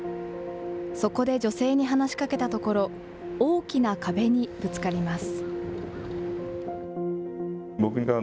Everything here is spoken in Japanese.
そこで女性に話しかけたところ、大きな壁にぶつかります。